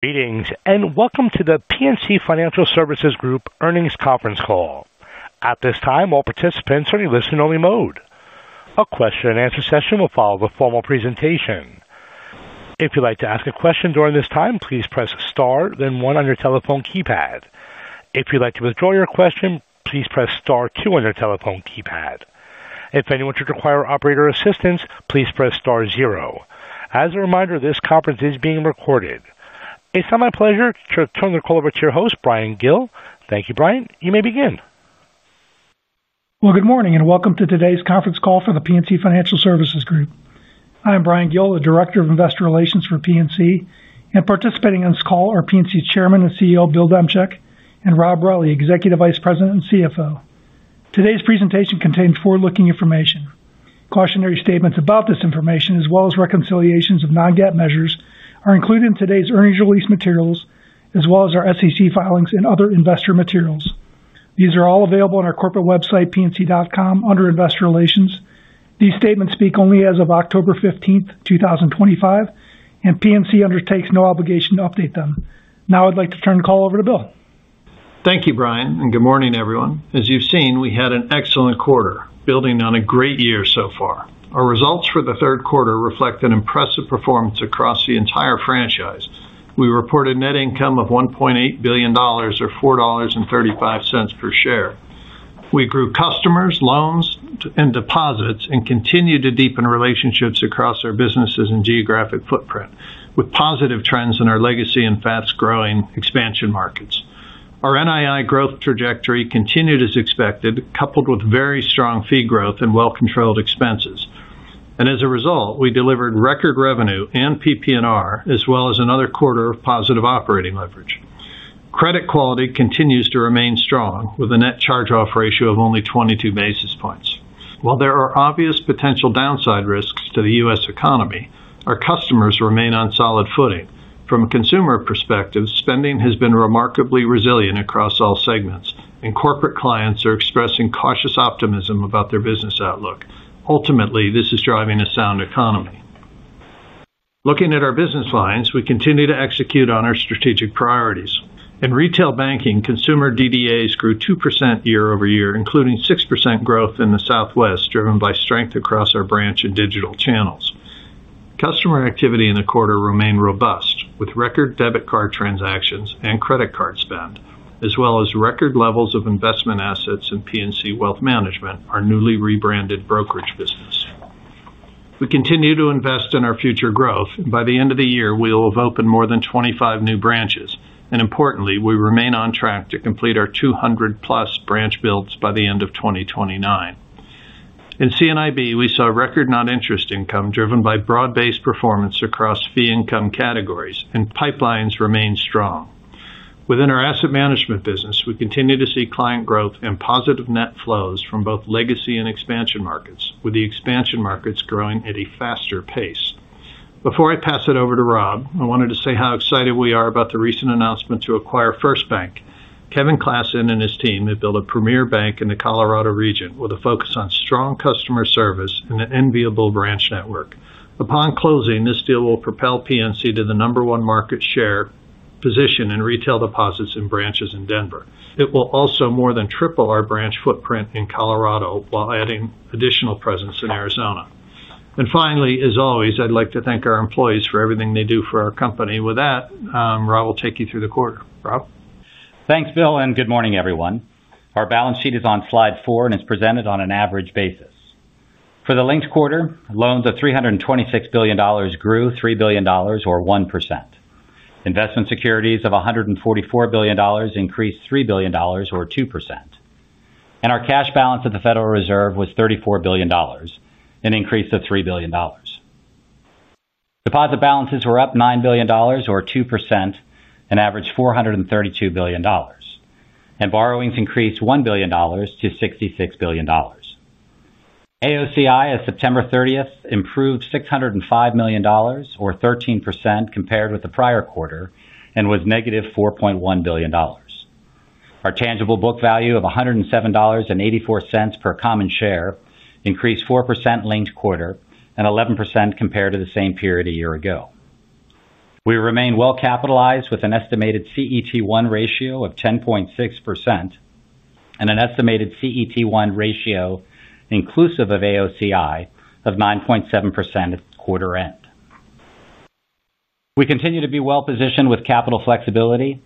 Meetings, and welcome to The PNC Financial Services Group earnings conference call. At this time, all participants are in listen-only mode. A question and answer session will follow the formal presentation. If you'd like to ask a question during this time, please press star then one on your telephone keypad. If you'd like to withdraw your question, please press star two on your telephone keypad. If anyone should require operator assistance, please press star zero. As a reminder, this conference is being recorded. It's now my pleasure to turn the call over to your host, Bryan Gill. Thank you, Bryan. You may begin. Good morning and welcome to today's conference call for The PNC Financial Services Group. I am Bryan Gill, the Director of Investor Relations for PNC. Participating in this call are PNC Chairman and CEO Bill Demchak and Rob Reilly, Executive Vice President and CFO. Today's presentation contains forward-looking information. Cautionary statements about this information, as well as reconciliations of non-GAAP measures, are included in today's earnings release materials, as well as our SEC filings and other investor materials. These are all available on our corporate website, pnc.com, under Investor Relations. These statements speak only as of October 15th, 2025, and PNC undertakes no obligation to update them. Now I'd like to turn the call over to Bill. Thank you, Bryan, and good morning, everyone. As you've seen, we had an excellent quarter, building on a great year so far. Our results for the third quarter reflect an impressive performance across the entire franchise. We reported net income of $1.8 billion or $4.35 per share. We grew customers, loans, and deposits, and continued to deepen relationships across our businesses and geographic footprint, with positive trends in our legacy and fast-growing expansion markets. Our NII growth trajectory continued as expected, coupled with very strong fee growth and well-controlled expenses. As a result, we delivered record revenue and PPNR, as well as another quarter of positive operating leverage. Credit quality continues to remain strong, with a net charge-off ratio of only 22 basis points. While there are obvious potential downside risks to the U.S. economy, our customers remain on solid footing. From a consumer perspective, spending has been remarkably resilient across all segments, and corporate clients are expressing cautious optimism about their business outlook. Ultimately, this is driving a sound economy. Looking at our business lines, we continue to execute on our strategic priorities. In retail banking, consumer DDAs grew 2% year-over-year, including 6% growth in the Southwest, driven by strength across our branch and digital channels. Customer activity in the quarter remained robust, with record debit card transactions and credit card spend, as well as record levels of investment assets in PNC Wealth Management, our newly rebranded brokerage business. We continue to invest in our future growth, and by the end of the year, we will have opened more than 25 new branches. Importantly, we remain on track to complete our 200+ branch builds by the end of 2029. In C&IB, we saw record non-interest income, driven by broad-based performance across fee income categories, and pipelines remain strong. Within our asset management business, we continue to see client growth and positive net flows from both legacy and expansion markets, with the expansion markets growing at a faster pace. Before I pass it over to Rob, I wanted to say how excited we are about the recent announcement to acquire FirstBank. Kevin Classen and his team have built a premier bank in the Colorado region, with a focus on strong customer service and an enviable branch network. Upon closing, this deal will propel PNC to the number one market share position in retail deposits and branches in Denver. It will also more than triple our branch footprint in Colorado, while adding additional presence in Arizona. Finally, as always, I'd like to thank our employees for everything they do for our company. With that, Rob will take you through the quarter. Rob? Thanks, Bill, and good morning, everyone. Our balance sheet is on slide four, and it's presented on an average basis. For the linked quarter, loans of $326 billion grew $3 billion, or 1%. Investment securities of $144 billion increased $3 billion, or 2%. Our cash balance at the Federal Reserve was $34 billion, an increase of $3 billion. Deposit balances were up $9 billion, or 2%, and averaged $432 billion. Borrowings increased $1 billion to $66 billion. AOCI, as of September 30th, improved $605 million, or 13% compared with the prior quarter, and was -$4.1 billion. Our tangible book value of $107.84 per common share increased 4% linked quarter and 11% compared to the same period a year ago. We remain well capitalized with an estimated CET1 ratio of 10.6% and an estimated CET1 ratio, inclusive of AOCI, of 9.7% at the quarter end. We continue to be well positioned with capital flexibility.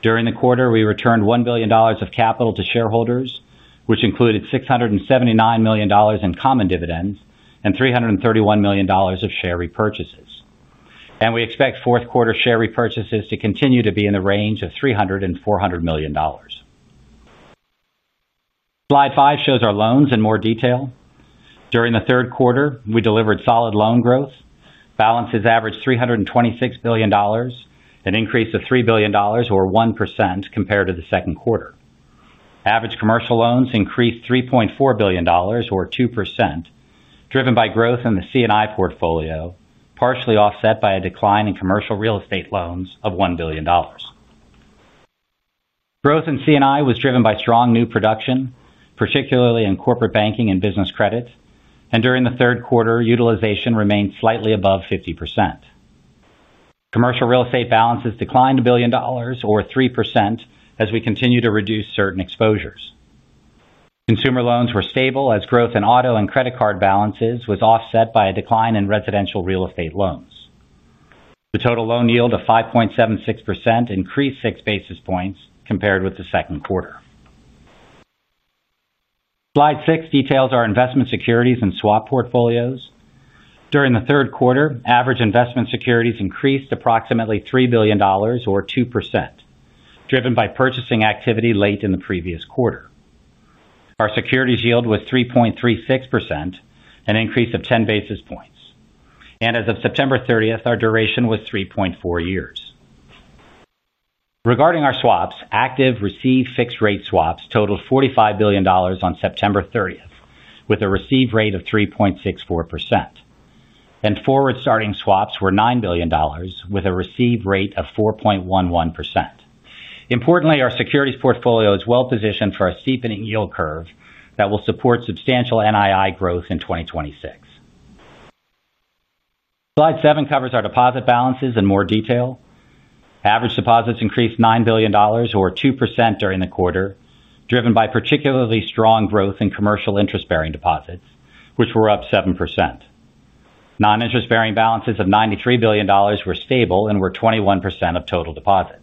During the quarter, we returned $1 billion of capital to shareholders, which included $679 million in common dividends and $331 million of share repurchases. We expect fourth quarter share repurchases to continue to be in the range of $300 million and $400 million. Slide five shows our loans in more detail. During the third quarter, we delivered solid loan growth. Balances averaged $326 billion, an increase of $3 billion, or 1% compared to the second quarter. Average commercial loans inc&reased $3.4 billion, or 2%, driven by growth in the C&I portfolio, partially offset by a decline in commercial real estate loans of $1 billion. Growth in C&I was driven by strong new production, particularly in corporate banking and business credit. During the third quarter, utilization remained slightly above 50%. Commercial real estate balances declined $1 billion, or 3%, as we continue to reduce certain exposures. Consumer loans were stable, as growth in auto and credit card balances was offset by a decline in residential real estate loans. The total loan yield of 5.76% increased six basis points compared with the second quarter. Slide six details our investment securities and swap portfolios. During the third quarter, average investment securities increased approximately $3 billion, or 2%, driven by purchasing activity late in the previous quarter. Our securities yield was 3.36%, an increase of 10 basis points. As of September 30th, our duration was 3.4 years. Regarding our swaps, active receive fixed rate swaps totaled $45 billion on September 30th, with a receive rate of 3.64%. Forward starting swaps were $9 billion, with a receive rate of 4.11%. Importantly, our securities portfolio is well positioned for a steepening yield curve that will support substantial NII growth in 2026. Slide seven covers our deposit balances in more detail. Average deposits increased $9 billion, or 2% during the quarter, driven by particularly strong growth in commercial interest-bearing deposits, which were up 7%. Non-interest-bearing balances of $93 billion were stable and were 21% of total deposits.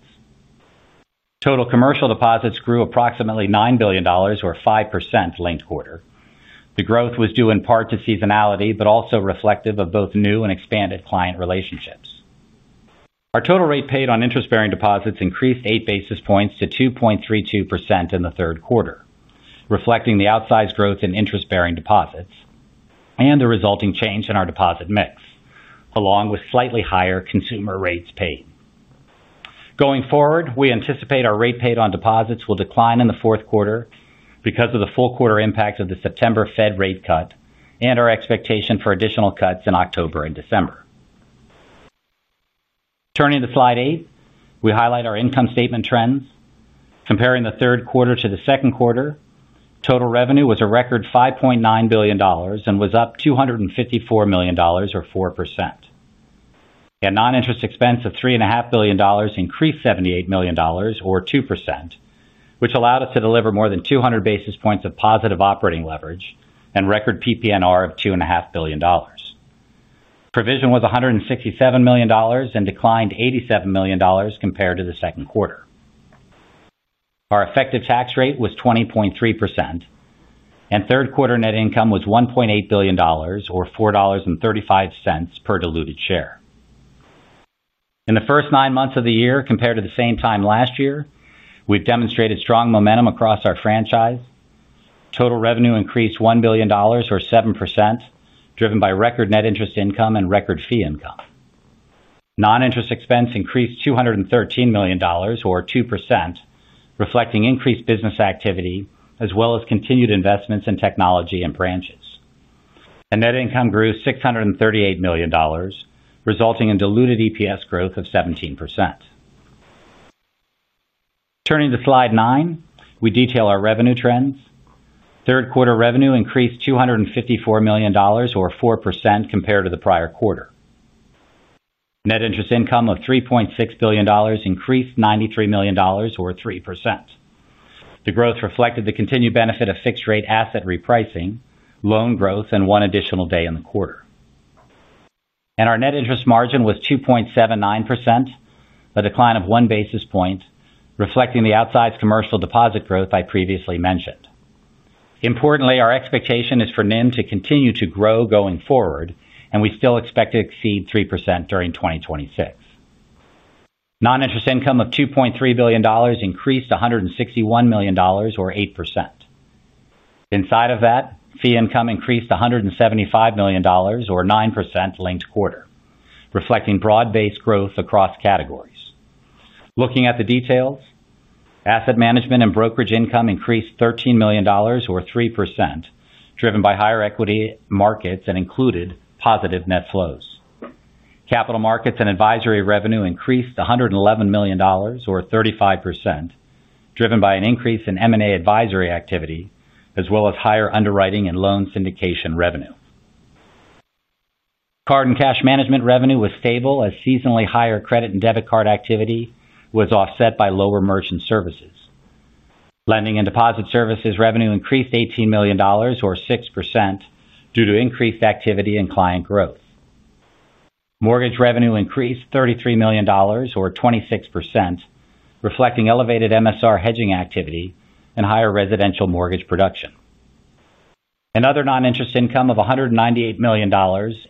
Total commercial deposits grew approximately $9 billion, or 5% linked quarter. The growth was due in part to seasonality, but also reflective of both new and expanded client relationships. Our total rate paid on interest-bearing deposits increased eight basis points to 2.32% in the third quarter, reflecting the outsized growth in interest-bearing deposits and the resulting change in our deposit mix, along with slightly higher consumer rates paid. Going forward, we anticipate our rate paid on deposits will decline in the fourth quarter because of the full quarter impact of the September Fed rate cut and our expectation for additional cuts in October and December. Turning to slide eight, we highlight our income statement trends. Comparing the third quarter to the second quarter, total revenue was a record $5.9 billion and was up $254 million, or 4%. Non-interest expense of $3.5 billion increased $78 million, or 2%, which allowed us to deliver more than 200 basis points of positive operating leverage and record PPNR of $2.5 billion. Provision was $167 million and declined $87 million compared to the second quarter. Our effective tax rate was 20.3%. Third quarter net income was $1.8 billion, or $4.35 per diluted share. In the first nine months of the year, compared to the same time last year, we've demonstrated strong momentum across our franchise. Total revenue increased $1 billion, or 7%, driven by record net interest income and record fee income. Non-interest expense increased $213 million, or 2%, reflecting increased business activity, as well as continued investments in technology and branches. Net income grew $638 million, resulting in diluted EPS growth of 17%. Turning to slide nine, we detail our revenue trends. Third quarter revenue increased $254 million, or 4% compared to the prior quarter. Net interest income of $3.6 billion increased $93 million, or 3%. The growth reflected the continued benefit of fixed-rate asset repricing, loan growth, and one additional day in the quarter. Our net interest margin was 2.79%, a decline of one basis point, reflecting the outsized commercial deposit growth I previously mentioned. Importantly, our expectation is for NIM to continue to grow going forward, and we still expect to exceed 3% during 2026. Non-interest income of $2.3 billion increased $161 million, or 8%. Inside of that, fee income increased $175 million, or 9% linked quarter, reflecting broad-based growth across categories. Looking at the details, asset management and brokerage income increased $13 million, or 3%, driven by higher equity markets and included positive net flows. Capital markets and advisory revenue increased $111 million, or 35%, driven by an increase in M&A advisory activity, as well as higher underwriting and loan syndication revenue. Card and cash management revenue was stable, as seasonally higher credit and debit card activity was offset by lower merchant services. Lending and deposit services revenue increased $18 million, or 6%, due to increased activity and client growth. Mortgage revenue increased $33 million, or 26%, reflecting elevated MSR hedging activity and higher residential mortgage production. Other non-interest income of $198 million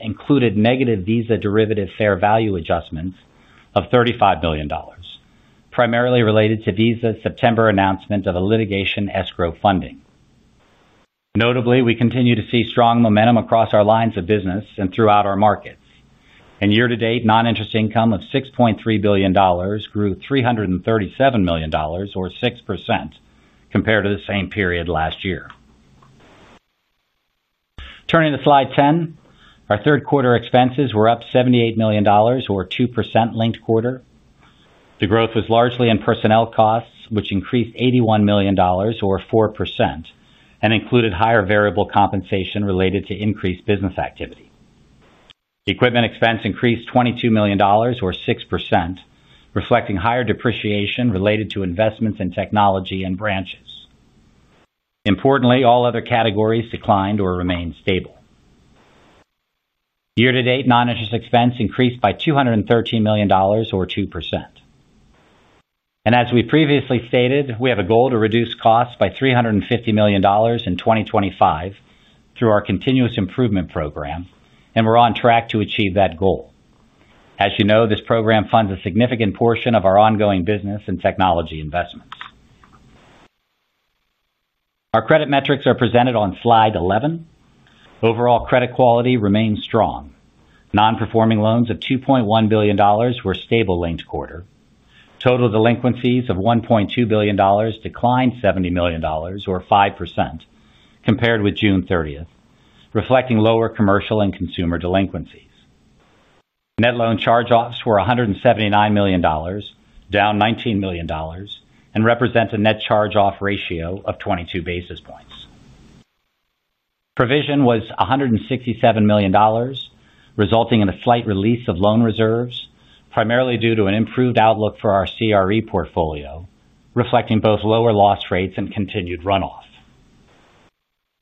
included negative Visa derivative fair value adjustments of $35 million, primarily related to Visa's September announcement of a litigation escrow funding. Notably, we continue to see strong momentum across our lines of business and throughout our markets. Year-to-date, non-interest income of $6.3 billion grew $337 million, or 6% compared to the same period last year. Turning to slide 10, our third quarter expenses were up $78 million, or 2% linked quarter. The growth was largely in personnel costs, which increased $81 million, or 4%, and included higher variable compensation related to increased business activity. Equipment expense increased $22 million, or 6%, reflecting higher depreciation related to investments in technology and branches. Importantly, all other categories declined or remained stable. Year-to-date non-interest expense increased by $213 million, or 2%. As we previously stated, we have a goal to reduce costs by $350 million in 2025 through our continuous improvement program, and we're on track to achieve that goal. As you know, this program funds a significant portion of our ongoing business and technology investments. Our credit metrics are presented on slide 11. Overall credit quality remains strong. Non-performing loans of $2.1 billion were stable linked quarter. Total delinquencies of $1.2 billion declined $70 million, or 5%, compared with June 30th, reflecting lower commercial and consumer delinquencies. Net loan charge-offs were $179 million, down $19 million, and represent a net charge-off ratio of 22 basis points. Provision was $167 million, resulting in a slight release of loan reserves, primarily due to an improved outlook for our CRE portfolio, reflecting both lower loss rates and continued runoff.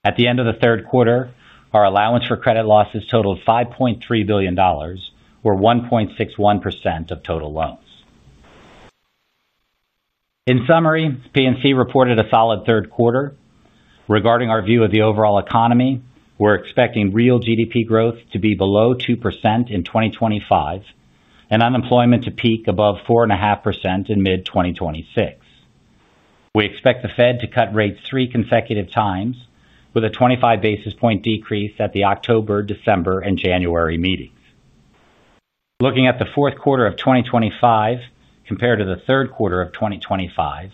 At the end of the third quarter, our allowance for credit losses totaled $5.3 billion, or 1.61% of total loans. In summary, PNC reported a solid third quarter. Regarding our view of the overall economy, we're expecting real GDP growth to be below 2% in 2025 and unemployment to peak above 4.5% in mid-2026. We expect the Fed to cut rates three consecutive times, with a 25 basis point decrease at the October, December, and January meetings. Looking at the fourth quarter of 2025 compared to the third quarter of 2025,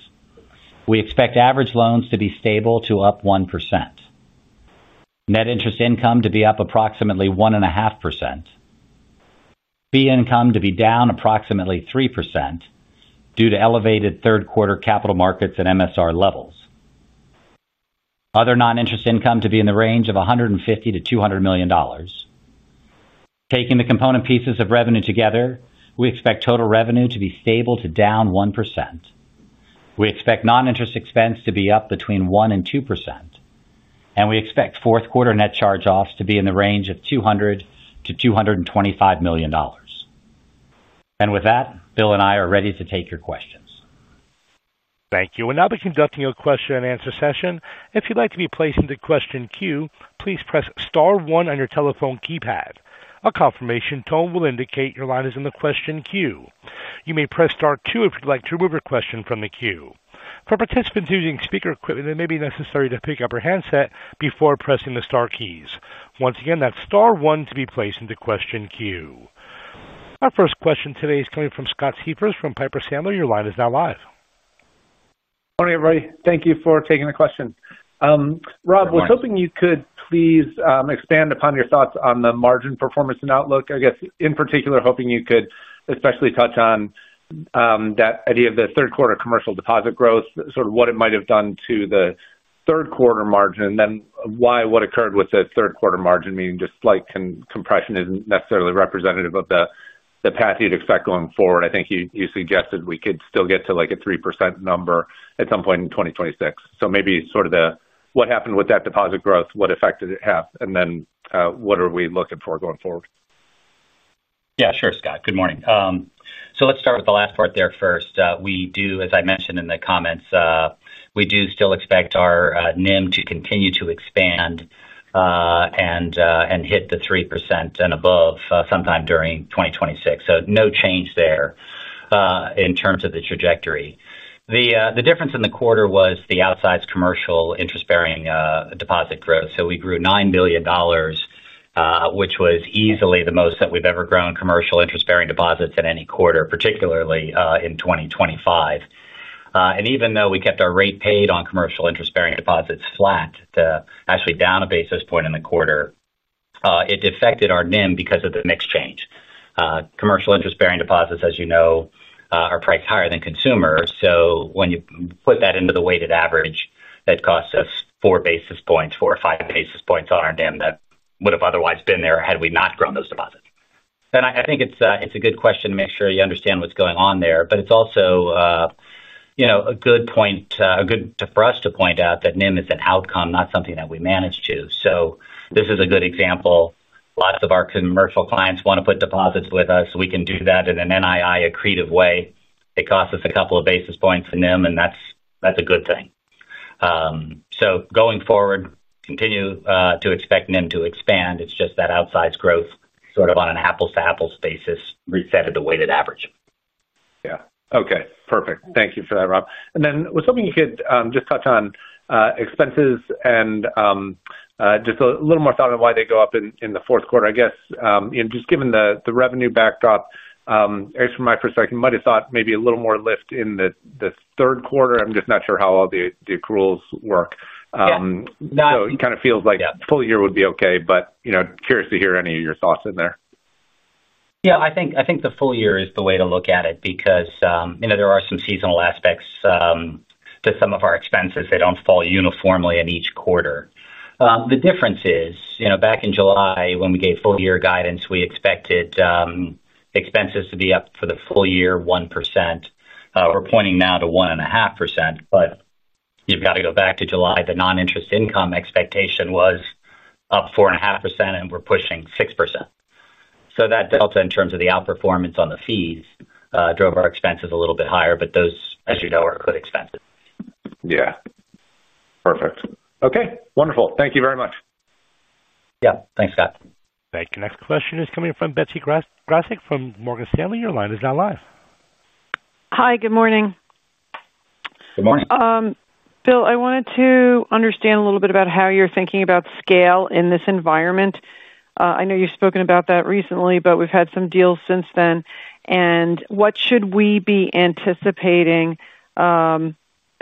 we expect average loans to be stable to up 1%. Net interest income to be up approximately 1.5%. Fee income to be down approximately 3% due to elevated third-quarter capital markets and MSR levels. Other non-interest income to be in the range of $150 million-$200 million. Taking the component pieces of revenue together, we expect total revenue to be stable to down 1%. We expect non-interest expense to be up between 1% and 2%. We expect fourth-quarter net charge-offs to be in the range of $200 million-$225 million. Bill and I are ready to take your questions. Thank you. I'll be conducting a question and answer session. If you'd like to be placed into the question queue, please press star one on your telephone keypad. A confirmation tone will indicate your line is in the question queue. You may press star two if you'd like to remove your question from the queue. For participants using speaker equipment, it may be necessary to pick up your handset before pressing the star keys. Once again, that's star one to be placed into the question queue. Our first question today is coming from Scott Siefers from Piper Sandler. Your line is now live. Morning, everybody. Thank you for taking the question. Rob, I was hoping you could please expand upon your thoughts on the margin performance and outlook. I guess, in particular, hoping you could especially touch on that idea of the third-quarter commercial deposit growth, sort of what it might have done to the third-quarter margin, and then why what occurred with the third-quarter margin, meaning just like compression, isn't necessarily representative of the path you'd expect going forward. I think you suggested we could still get to like a 3% number at some point in 2026. Maybe sort of the what happened with that deposit growth, what effect did it have, and then what are we looking for going forward? Yeah, sure, Scott. Good morning. Let's start with the last part there first. As I mentioned in the comments, we do still expect our NIM to continue to expand and hit the 3% and above sometime during 2026. No change there in terms of the trajectory. The difference in the quarter was the outsized commercial interest-bearing deposit growth. We grew $9 billion, which was easily the most that we've ever grown commercial interest-bearing deposits in any quarter, particularly in 2025. Even though we kept our rate paid on commercial interest-bearing deposits flat, actually down a basis point in the quarter, it affected our NIM because of the mix change. Commercial interest-bearing deposits, as you know, are priced higher than consumers. When you put that into the weighted average, that costs us 4 basis points, 4 or 5 basis points on our NIM that would have otherwise been there had we not grown those deposits. I think it's a good question to make sure you understand what's going on there. It's also a good point for us to point out that NIM is an outcome, not something that we manage to. This is a good example. Lots of our commercial clients want to put deposits with us. We can do that in an NII accretive way. It costs us a couple of basis points in NIM, and that's a good thing. Going forward, continue to expect NIM to expand. It's just that outsized growth sort of on an apples-to-apples basis reset at the weighted average. Yeah. Okay. Perfect. Thank you for that, Rob. I was hoping you could just touch on expenses and just a little more thought on why they go up in the fourth quarter. I guess, just given the revenue backdrop, at least from my perspective, you might have thought maybe a little more lift in the third quarter. I'm just not sure how all the accruals work. Yeah. It kind of feels like the full year would be okay, but, you know, curious to hear any of your thoughts in there. I think the full year is the way to look at it because, you know, there are some seasonal aspects to some of our expenses. They don't fall uniformly in each quarter. The difference is, you know, back in July, when we gave full-year guidance, we expected expenses to be up for the full year 1%. We're pointing now to 1.5%. You've got to go back to July. The non-interest income expectation was up 4.5%, and we're pushing 6%. That delta in terms of the outperformance on the fees drove our expenses a little bit higher, but those, as you know, are good expenses. Yeah. Perfect. Okay. Wonderful. Thank you very much. Yeah, thanks, Scott. Thank you. Next question is coming from Betsy Graseck from Morgan Stanley. Your line is now live. Hi, good morning. Good morning. Bill, I wanted to understand a little bit about how you're thinking about scale in this environment. I know you've spoken about that recently, but we've had some deals since then. What should we be anticipating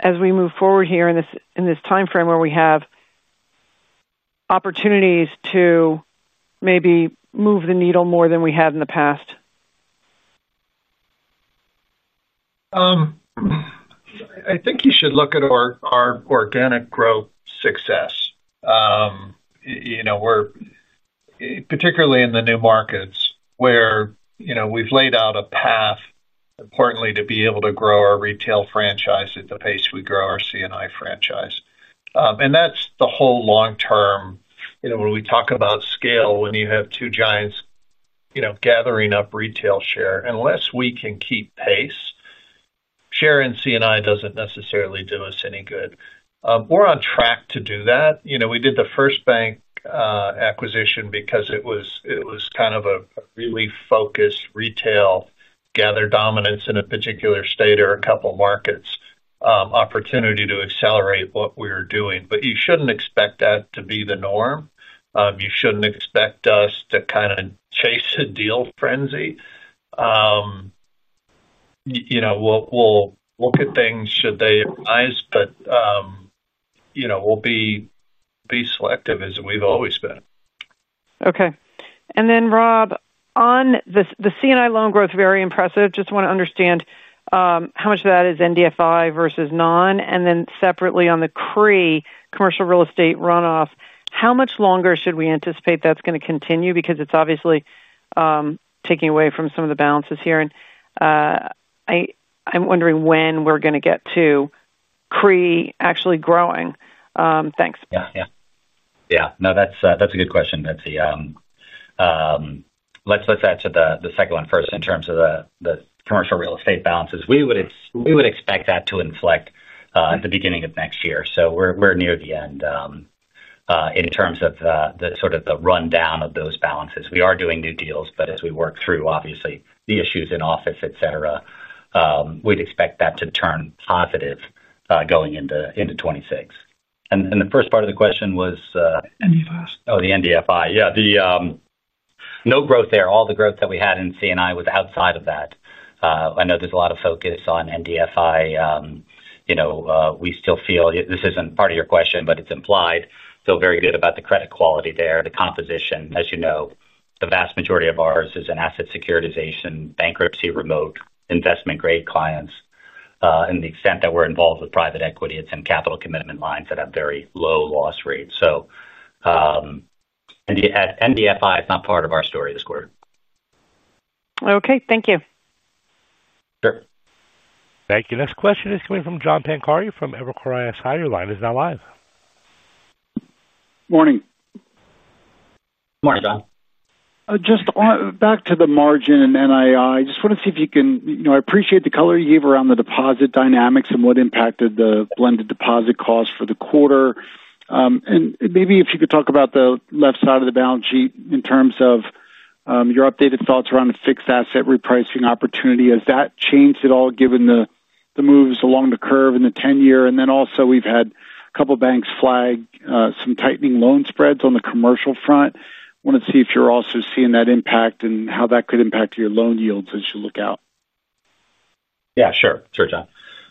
as we move forward here in this timeframe where we have opportunities to maybe move the needle more than we have in the past? I think you should look at our organic growth success. You know, we're particularly in the new markets where we've laid out a path, importantly, to be able to grow our retail franchise at the pace we grow our C&I franchise. That's the whole long term, you know, when we talk about scale, when you have two giants gathering up retail share. Unless we can keep pace, share in C&I doesn't necessarily do us any good. We're on track to do that. You know, we did the FirstBank acquisition because it was kind of a really focused retail gather dominance in a particular state or a couple of markets, opportunity to accelerate what we were doing. You shouldn't expect that to be the norm. You shouldn't expect us to chase a deal frenzy. We'll look at things should they arise, but we'll be selective as we've always been. Okay. Rob, on the C&I loan growth, very impressive. I just want to understand, how much of that is NDFI versus non? Separately, on the CRE, commercial real estate runoff, how much longer should we anticipate that's going to continue? It's obviously taking away from some of the balances here. I'm wondering when we're going to get to CRE actually growing. Thanks. That's a good question. Let's answer the second one first in terms of the commercial real estate balances. We would expect that to inflect at the beginning of next year. We're near the end in terms of the sort of the rundown of those balances. We are doing new deals, but as we work through, obviously, the issues in office, etc., we'd expect that to turn positive going into 2026. The first part of the question was, NDFI. Oh, the NDFI. Yeah. No growth there. All the growth that we had in C&I was outside of that. I know there's a lot of focus on NDFI. We still feel this isn't part of your question, but it's implied. Feel very good about the credit quality there, the composition. As you know, the vast majority of ours is in asset securitization, bankruptcy remote investment-grade clients. To the extent that we're involved with private equity, it's in capital commitment lines that have very low loss rates. NDFI is not part of our story this quarter. Okay, thank you. Sure. Thank you. Next question is coming from John Pancari from Evercore ISI. Your line is now live. Morning. Morning, John. Just on back to the margin and NII, I just want to see if you can, you know, I appreciate the color you gave around the deposit dynamics and what impacted the blended deposit cost for the quarter. Maybe if you could talk about the left side of the balance sheet in terms of your updated thoughts around a fixed asset repricing opportunity. Has that changed at all given the moves along the curve in the 10-year? Also, we've had a couple of banks flag some tightening loan spreads on the commercial front. Want to see if you're also seeing that impact and how that could impact your loan yields as you look out. Yeah, sure. Why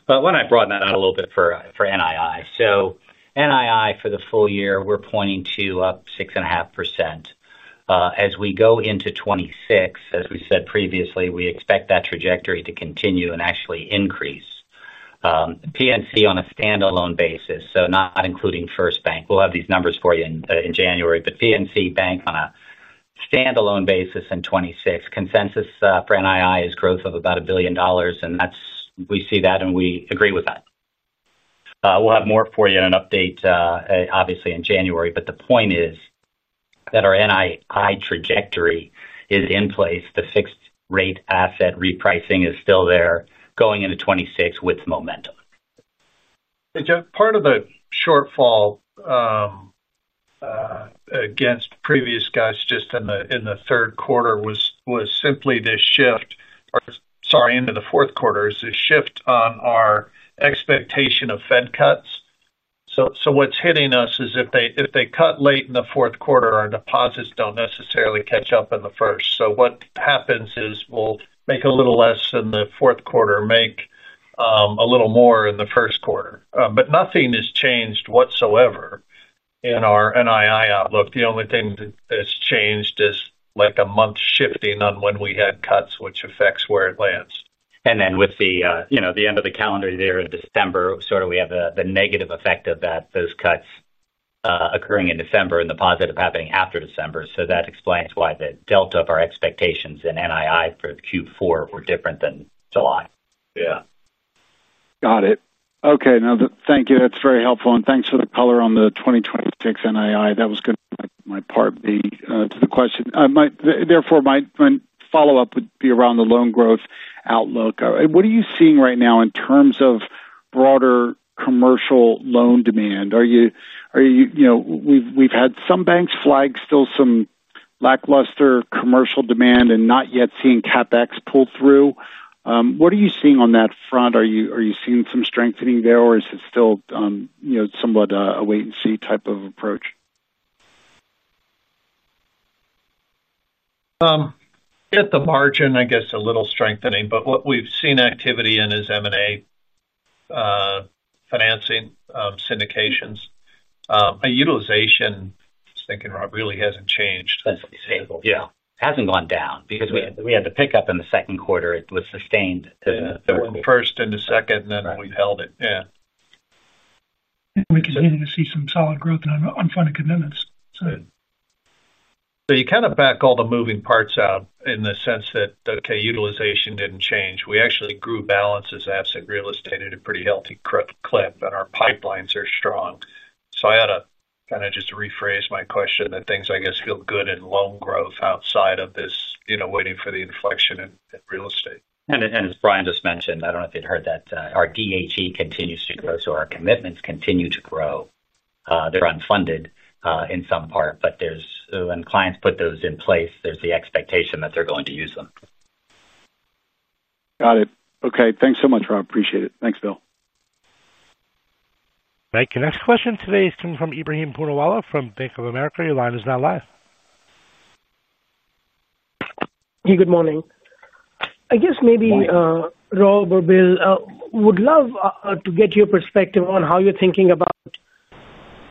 don't I broaden that out a little bit for NII? NII for the full year, we're pointing to up 6.5%. As we go into 2026, as we said previously, we expect that trajectory to continue and actually increase. PNC on a standalone basis, not including FirstBank, we'll have these numbers for you in January. PNC Bank on a standalone basis in 2026, consensus for NII is growth of about $1 billion, and we see that and we agree with that. We'll have more for you in an update, obviously, in January. The point is that our NII trajectory is in place. The fixed-rate asset repricing is still there, going into 2026 with momentum. Hey John, part of the shortfall against previous guys in the third quarter was simply this shift. Into the fourth quarter is this shift on our expectation of Fed cuts. What's hitting us is if they cut late in the fourth quarter, our deposits don't necessarily catch up in the first. What happens is we'll make a little less in the fourth quarter, make a little more in the first quarter. Nothing has changed whatsoever in our NII outlook. The only thing that's changed is like a month shifting on when we had cuts, which affects where it lands. With the end of the calendar year in December, we have the negative effect of those cuts occurring in December and the positive happening after December. That explains why the delta of our expectations in NII for Q4 were different than July. Got it. Okay. Thank you. That's very helpful. Thanks for the color on the 2026 NII. That was going to be my part to the question. Therefore, my follow-up would be around the loan growth outlook. What are you seeing right now in terms of broader commercial loan demand? We've had some banks flag still some lackluster commercial demand and not yet seeing CapEx pull through. What are you seeing on that front? Are you seeing some strengthening there, or is it still somewhat a wait-and-see type of approach? At the margin, I guess a little strengthening. What we've seen activity in is M&A, financing, syndications. Utilization, I was thinking, Rob, really hasn't changed. Yeah, it hasn't gone down because we had the pickup in the second quarter. It was sustained to the third quarter. First into second, and then we've held it. We continue to see some solid growth in unfunded commitments. You kind of back all the moving parts out in the sense that, okay, utilization didn't change. We actually grew balances, asset real estate at a pretty healthy clip, and our pipelines are strong. I had to kind of just rephrase my question that things, I guess, feel good in loan growth outside of this, you know, waiting for the inflection in real estate. As Bryan just mentioned, I don't know if you'd heard that, our DE&I continues to grow, so our commitments continue to grow. They're unfunded, in some part, but when clients put those in place, there's the expectation that they're going to use them. Got it. Okay. Thanks so much, Rob. Appreciate it. Thanks, Bill. Thank you. Next question today is coming from Ebrahim Poonawala from Bank of America. Your line is now live. Hey, good morning. I guess maybe, Rob or Bill, would love to get your perspective on how you're thinking about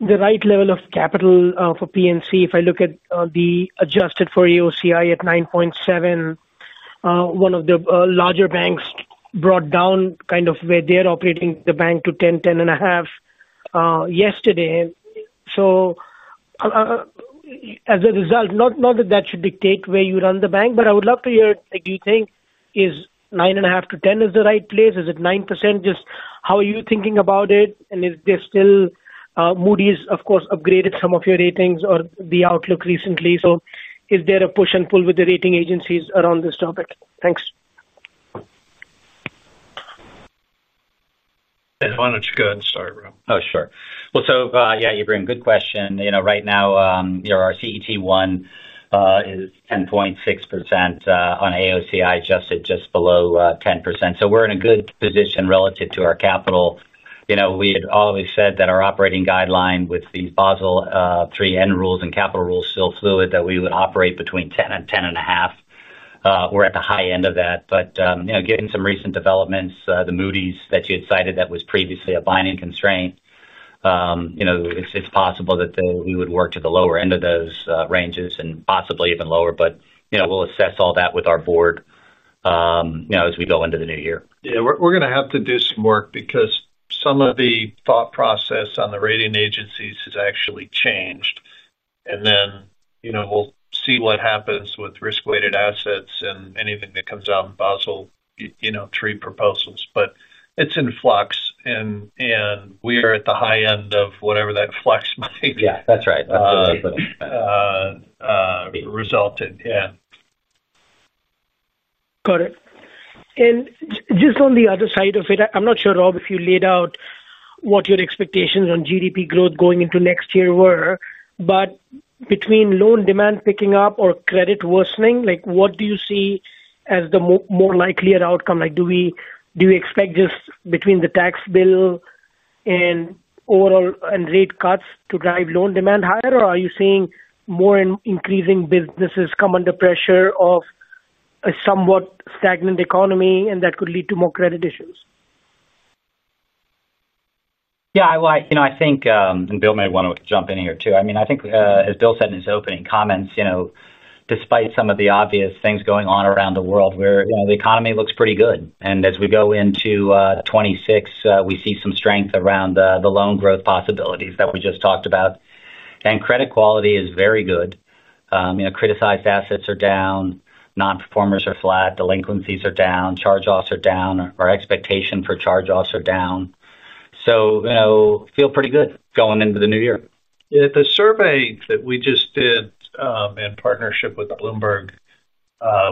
the right level of capital for PNC. If I look at the adjusted for your AOCI at 9.7%, one of the larger banks brought down kind of where they're operating the bank to 10%, 10.5% yesterday. Not that that should dictate where you run the bank, but I would love to hear if you think 9.5%-10% is the right place. Is it 9%? Just how are you thinking about it? Is there still, Moody's, of course, upgraded some of your ratings or the outlook recently? Is there a push and pull with the rating agencies around this topic? Thanks. Do you want to go ahead and start, Rob? Oh, sure. Yeah, Ebrahim, good question. You know, right now, you know, our CET1 is 10.6%, on AOCI adjusted just below 10%. So we're in a good position relative to our capital. You know, we had always said that our operating guideline with the Basel III and rules and capital rules is still fluid, that we would operate between 10% and 10.5%. We're at the high end of that. Given some recent developments, the Moody's that you had cited that was previously a binding constraint, it's possible that we would work to the lower end of those ranges and possibly even lower. We'll assess all that with our board as we go into the new year. Yeah, we're going to have to do some work because some of the thought process on the rating agencies has actually changed. You know, we'll see what happens with risk-weighted assets and anything that comes out in Basel III proposals. It's in flux, and we are at the high end of whatever that flux might be. Yeah, that's right. That's what I put. Resulted. Yeah. Got it. Just on the other side of it, I'm not sure, Rob, if you laid out what your expectations on GDP growth going into next year were, but between loan demand picking up or credit worsening, what do you see as the more likely outcome? Do you expect just between the tax bill and overall and rate cuts to drive loan demand higher, or are you seeing more increasing businesses come under pressure of a somewhat stagnant economy that could lead to more credit issues? Yeah, I think, and Bill may want to jump in here too. I think, as Bill said in his opening comments, despite some of the obvious things going on around the world, the economy looks pretty good. As we go into 2026, we see some strength around the loan growth possibilities that we just talked about, and credit quality is very good. Criticized assets are down. Non-performers are flat. Delinquencies are down. Charge-offs are down. Our expectation for charge-offs are down. You know, feel pretty good going into the new year. Yeah, the survey that we just did in partnership with Bloomberg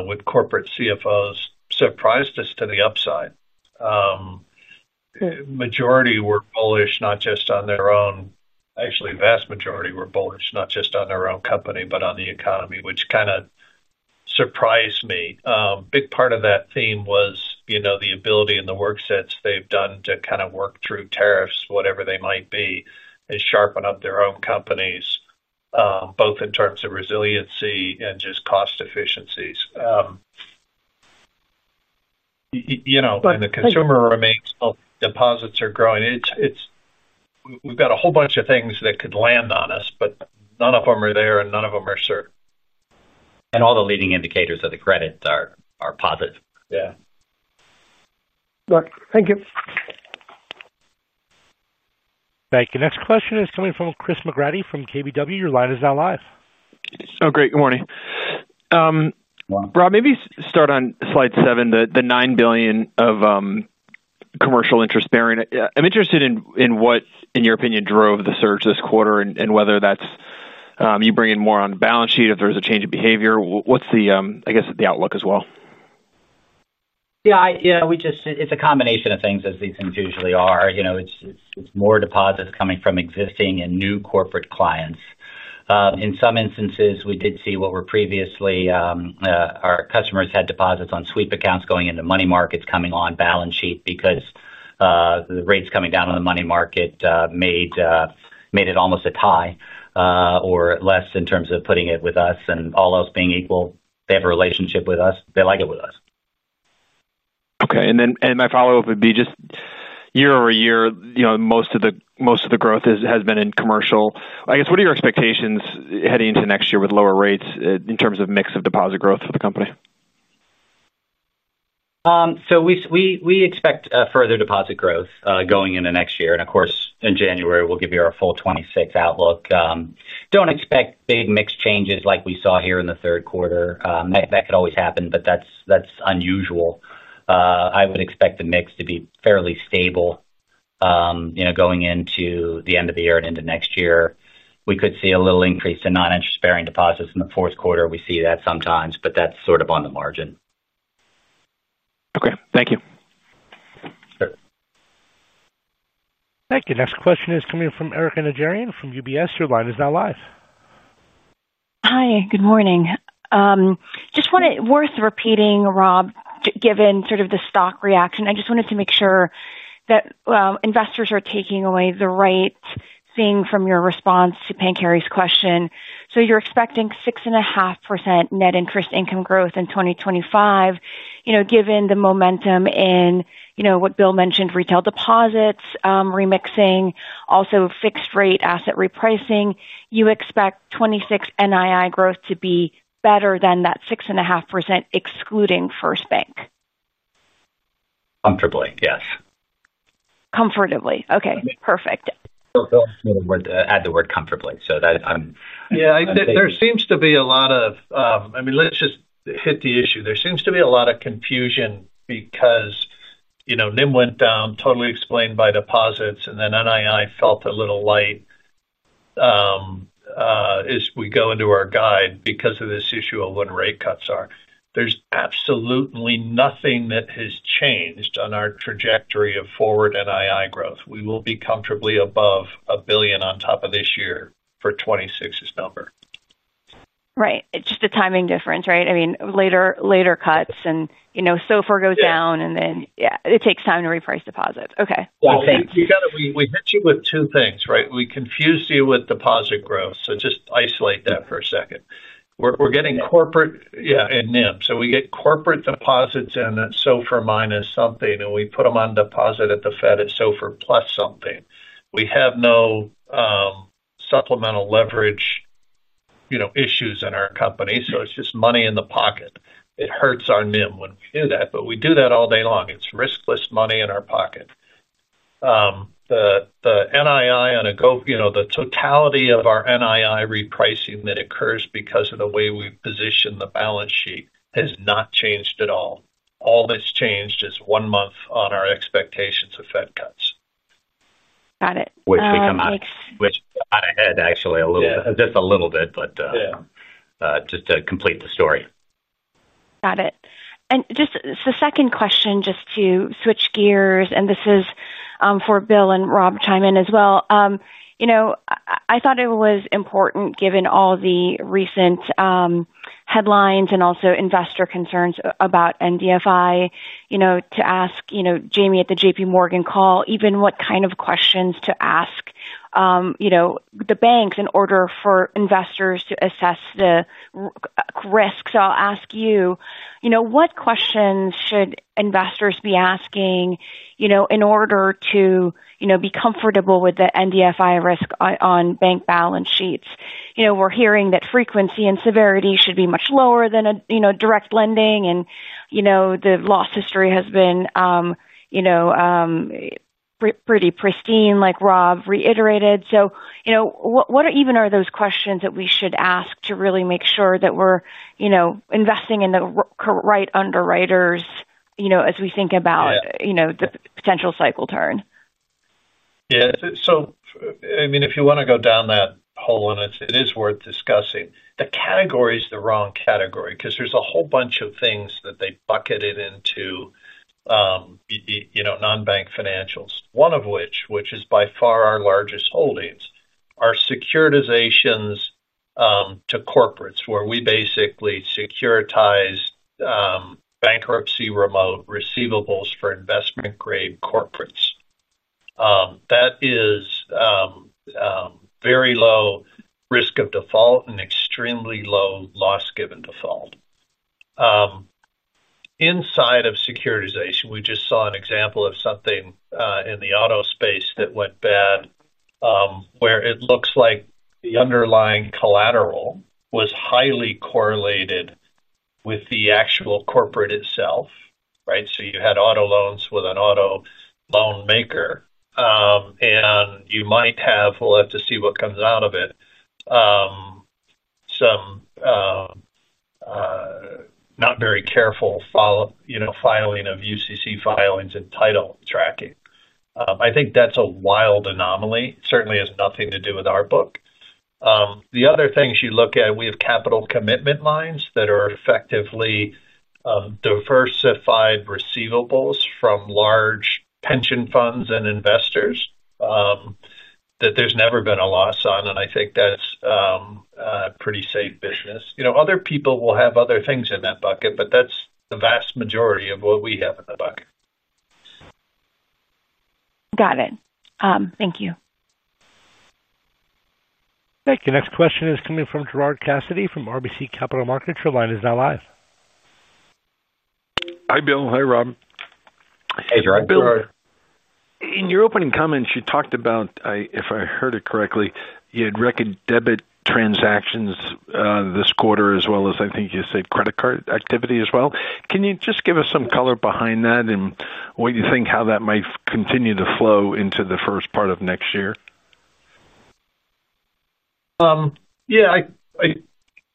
with corporate CFOs surprised us to the upside. The majority were bullish, not just on their own. Actually, the vast majority were bullish, not just on their own company, but on the economy, which kind of surprised me. A big part of that theme was the ability and the work sets they've done to kind of work through tariffs, whatever they might be, and sharpen up their own companies, both in terms of resiliency and just cost efficiencies. The consumer remains healthy. Deposits are growing. We've got a whole bunch of things that could land on us, but none of them are there and none of them are certain. All the leading indicators of the credit are positive. Yeah. Right. Thank you. Thank you. Next question is coming from Chris McGratty from KBW. Your line is now live. Great. Good morning. Rob, maybe start on slide seven, the $9 billion of commercial interest-bearing. I'm interested in what, in your opinion, drove the surge this quarter and whether that's you bringing in more on the balance sheet, if there's a change in behavior. What's the, I guess, the outlook as well? Yeah, it's a combination of things, as these things usually are. It's more deposits coming from existing and new corporate clients. In some instances, we did see what were previously our customers had deposits on sweep accounts going into money markets coming on balance sheet because the rates coming down on the money market made it almost a tie, or less in terms of putting it with us. All else being equal, they have a relationship with us. They like it with us. Okay. My follow-up would be just year over year, you know, most of the growth has been in commercial. I guess, what are your expectations heading into next year with lower rates in terms of mix of deposit growth for the company? We expect further deposit growth going into next year. Of course, in January, we'll give you our full 2026 outlook. Don't expect big mix changes like we saw here in the third quarter. That could always happen, but that's unusual. I would expect the mix to be fairly stable going into the end of the year and into next year. We could see a little increase in non-interest-bearing deposits in the fourth quarter. We see that sometimes, but that's sort of on the margin. Okay, thank you. Sure. Thank you. Next question is coming from Erika Najarian from UBS. Your line is now live. Hi. Good morning. Just want to, worth repeating, Rob, given sort of the stock reaction. I just wanted to make sure that investors are taking away the right thing from your response to Pancari's question. You're expecting 6.5% net interest income growth in 2025, you know, given the momentum in, you know, what Bill mentioned, retail deposits, remixing, also fixed-rate asset repricing. You expect 2026 NII growth to be better than that 6.5% excluding FirstBank. Comfortably, yes. Comfortably. Okay. Perfect. Bill wanted to add the word comfortably. I'm. There seems to be a lot of confusion because, you know, NIM went down, totally explained by deposits, and then NII felt a little light as we go into our guide because of this issue of when rate cuts are. There's absolutely nothing that has changed on our trajectory of forward NII growth. We will be comfortably above $1 billion on top of this year for 2026's number. Right. It's just a timing difference, right? I mean, later cuts, and you know, so far goes down, and then it takes time to reprice deposits. Okay. I think you got to, we hit you with two things, right? We confused you with deposit growth. Just isolate that for a second. We're getting corporate, yeah, and NIM. We get corporate deposits in at SOFR minus something, and we put them on deposit at the Fed at SOFR plus something. We have no supplemental leverage, you know, issues in our company. It's just money in the pocket. It hurts our NIM when we do that. We do that all day long. It's riskless money in our pocket. The NII on a go, you know, the totality of our NII repricing that occurs because of the way we position the balance sheet has not changed at all. All that's changed is one month on our expectations of Fed cuts. Got it. We come out ahead, actually, a little bit. Just a little bit, but just to complete the story. Got it. Just the second question, just to switch gears, and this is for Bill and Rob to chime in as well. I thought it was important given all the recent headlines and also investor concerns about NDFI to ask. Jamie at the JPMorgan call, even what kind of questions to ask the banks in order for investors to assess the risk. I'll ask you, what questions should investors be asking in order to be comfortable with the NDFI risk on bank balance sheets? We're hearing that frequency and severity should be much lower than direct lending, and the loss history has been pretty pristine, like Rob reiterated. What even are those questions that we should ask to really make sure that we're investing in the right underwriters as we think about the potential cycle turn? Yeah. If you want to go down that hole, it is worth discussing. The category is the wrong category because there's a whole bunch of things that they bucketed into, you know, non-bank financials. One of which, which is by far our largest holdings, are securitizations to corporates, where we basically securitize bankruptcy remote receivables for investment-grade corporates. That is very low risk of default and extremely low loss given default. Inside of securitization, we just saw an example of something in the auto space that went bad, where it looks like the underlying collateral was highly correlated with the actual corporate itself, right? You had auto loans with an auto loan maker, and you might have, we'll have to see what comes out of it, some not very careful, you know, filing of UCC filings and title tracking. I think that's a wild anomaly. It certainly has nothing to do with our book. The other things you look at, we have capital commitment lines that are effectively diversified receivables from large pension funds and investors that there's never been a loss on. I think that's a pretty safe business. Other people will have other things in that bucket, but that's the vast majority of what we have in the bucket. Got it. Thank you. Thank you. Next question is coming from Gerard Cassidy from RBC Capital Markets. Your line is now live. Hi, Bill. Hi, Rob. Hey, Gerard. Hi, Gerard. In your opening comments, you talked about, if I heard it correctly, you had record debit transactions this quarter, as well as I think you said credit card activity as well. Can you just give us some color behind that and what you think how that might continue to flow into the first part of next year? Yeah,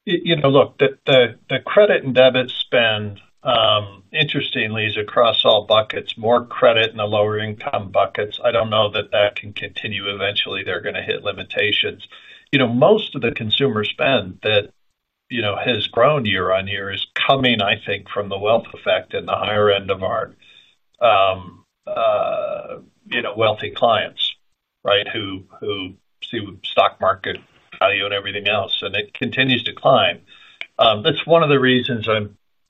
the credit and debit spend, interestingly, is across all buckets, more credit in the lower-income buckets. I don't know that that can continue. Eventually, they're going to hit limitations. Most of the consumer spend that has grown year on year is coming, I think, from the wealth effect in the higher end of our wealthy clients, right, who see stock market value and everything else. It continues to climb. That's one of the reasons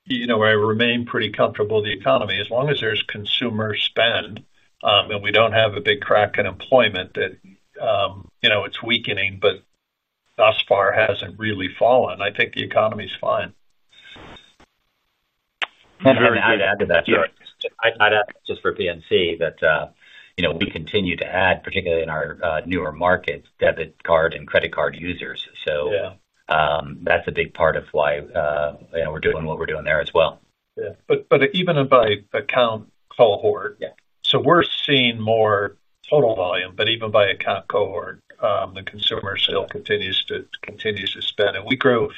I remain pretty comfortable with the economy. As long as there's consumer spend, and we don't have a big crack in employment that, you know, it's weakening, but thus far hasn't really fallen, I think the economy's fine. I'd add to that, Gerard. I'd add that just for PNC, you know, we continue to add, particularly in our newer markets, debit card and credit card users. That's a big part of why, you know, we're doing what we're doing there as well. Even by account cohort, we're seeing more total volume. Even by account cohort, the consumer still continues to spend, and we grew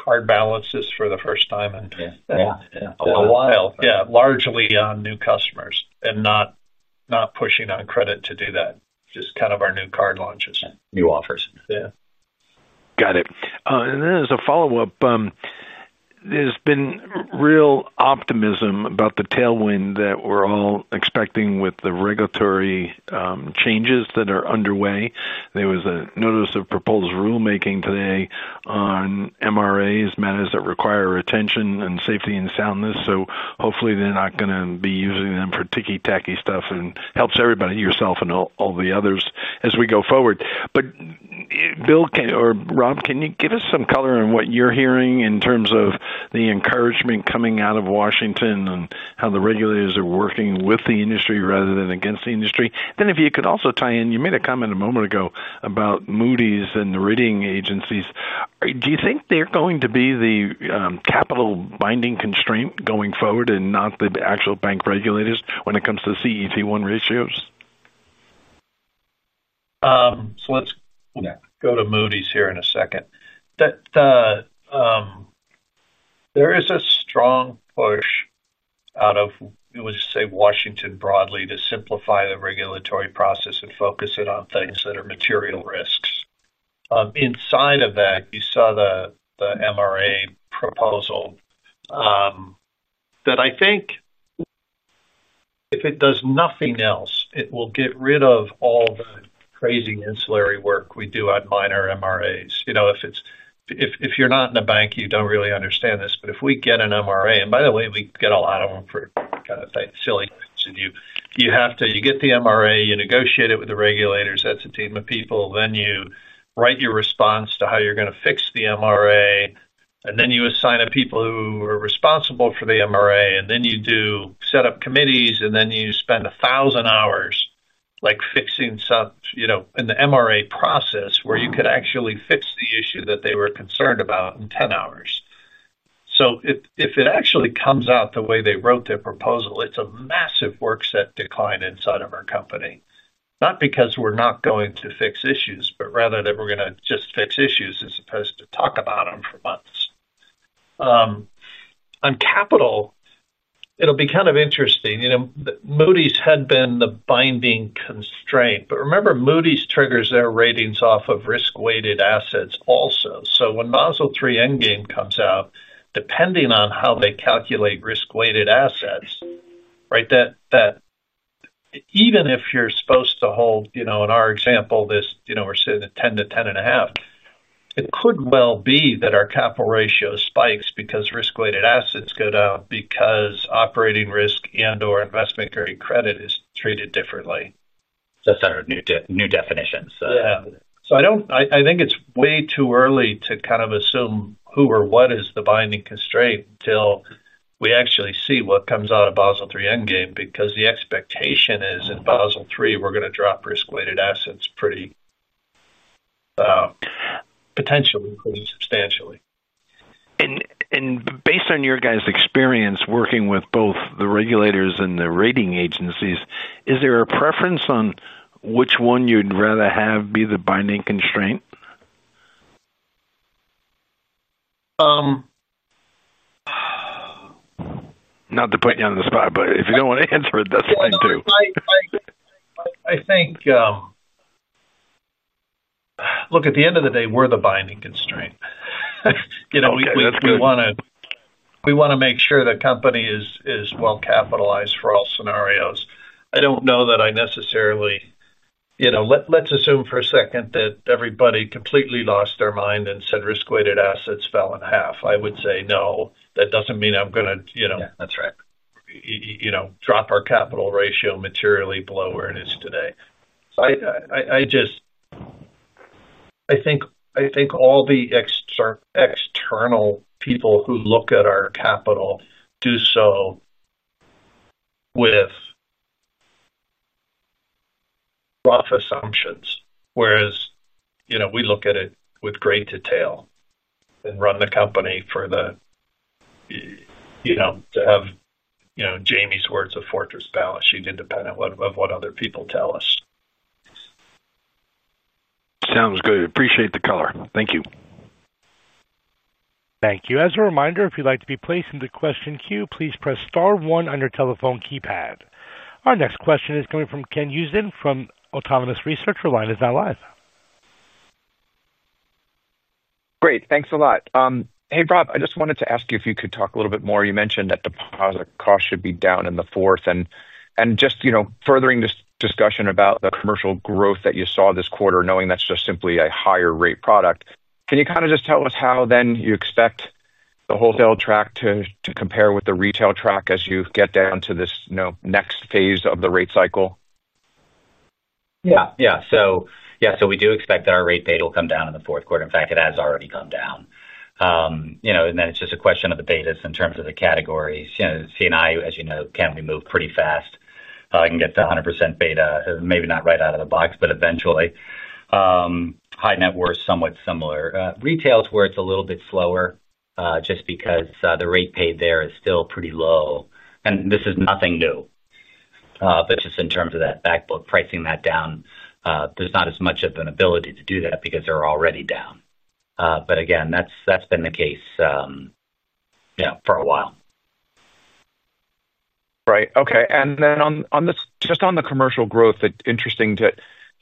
card balances for the first time in a while. Yeah, yeah. Yeah, a while. Yeah, largely on new customers and not pushing on credit to do that, just kind of our new card launches. New offers. Yeah. Got it. As a follow-up, there's been real optimism about the tailwind that we're all expecting with the regulatory changes that are underway. There was a notice of proposed rulemaking today on MRAs, matters that require attention and safety and soundness. Hopefully, they're not going to be using them for ticky-tacky stuff and it helps everybody, yourself and all the others, as we go forward. Bill, or Rob, can you give us some color on what you're hearing in terms of the encouragement coming out of Washington and how the regulators are working with the industry rather than against the industry? If you could also tie in, you made a comment a moment ago about Moody's and the rating agencies. Do you think they're going to be the capital binding constraint going forward and not the actual bank regulators when it comes to CET1 ratios? Let's go to Moody's here in a second. There is a strong push out of, we'll just say Washington broadly, to simplify the regulatory process and focus it on things that are material risks. Inside of that, you saw the MRA proposal that, I think, if it does nothing else, will get rid of all the crazy ancillary work we do on minor MRAs. If you're not in a bank, you don't really understand this. If we get an MRA, and by the way, we get a lot of them for kind of silly things, you have to get the MRA, negotiate it with the regulators—that's a team of people—then you write your response to how you're going to fix the MRA, and then you assign the people who are responsible for the MRA, and then you set up committees, and then you spend 1,000 hours fixing something in the MRA process where you could actually fix the issue that they were concerned about in 10 hours. If it actually comes out the way they wrote their proposal, it's a massive work set decline inside of our company. Not because we're not going to fix issues, but rather that we're going to just fix issues as opposed to talk about them for months. On capital, it'll be kind of interesting. Moody's had been the binding constraint. Remember, Moody's triggers their ratings off of risk-weighted assets also. When Basel III endgame comes out, depending on how they calculate risk-weighted assets, even if you're supposed to hold, in our example, we're sitting at 10%-10.5%, it could well be that our capital ratio spikes because risk-weighted assets go down because operating risk and/or investment-grade credit is treated differently. That's our new definition. I think it's way too early to kind of assume who or what is the binding constraint until we actually see what comes out of Basel III endgame, because the expectation is in Basel III, we're going to drop risk-weighted assets potentially pretty substantially. Based on your guys' experience working with both the regulators and the rating agencies, is there a preference on which one you'd rather have be the binding constraint? Not to put you on the spot, but if you don't want to answer it, that's fine too. I think, at the end of the day, we're the binding constraint. We want to make sure the company is well capitalized for all scenarios. I don't know that I necessarily, let's assume for a second that everybody completely lost their mind and said risk-weighted assets fell in half. I would say no. That doesn't mean I'm going to. Yeah, that's right. You know, drop our capital ratio materially below where it is today. I think all the external people who look at our capital do so with rough assumptions, whereas we look at it with great detail and run the company to have, you know, Jamie's words of fortress balance sheet, independent of what other people tell us. Sounds good. Appreciate the color. Thank you. Thank you. As a reminder, if you'd like to be placed into the question queue, please press star one on your telephone keypad. Our next question is coming from Ken Usdin from Autonomous Research. Your line is now live. Great. Thanks a lot. Hey, Rob, I just wanted to ask you if you could talk a little bit more. You mentioned that deposit costs should be down in the fourth. Furthering this discussion about the commercial growth that you saw this quarter, knowing that's just simply a higher-rate product, can you kind of just tell us how then you expect the wholesale track to compare with the retail track as you get down to this next phase of the rate cycle? Yeah, we do expect that our rate paid will come down in the fourth quarter. In fact, it has already come down. You know, then it's just a question of the betas in terms of the categories. You know, C&I, as you know, can be moved pretty fast. I can get to 100% beta, maybe not right out of the box, but eventually. High net worth is somewhat similar. Retail is where it's a little bit slower, just because the rate paid there is still pretty low. This is nothing new. Just in terms of that backbook, pricing that down, there's not as much of an ability to do that because they're already down. Again, that's been the case for a while. Right. Okay. On this, just on the commercial growth, it's interesting